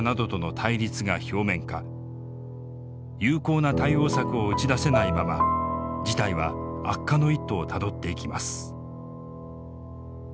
有効な対応策を打ち出せないまま事態は悪化の一途をたどっていきます。